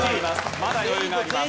まだ余裕があります。